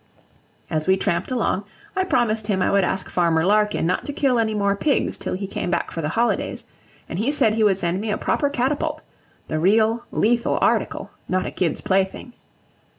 As we tramped along, I promised him I would ask Farmer Larkin not to kill any more pigs till he came back for the holidays, and he said he would send me a proper catapult, the real lethal article, not a kid's plaything.